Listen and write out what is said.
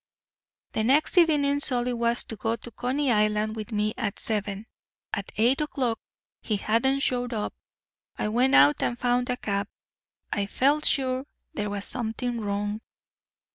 "The next evening Solly was to go to Coney Island with me at seven. At eight o'clock he hadn't showed up. I went out and found a cab. I felt sure there was something wrong.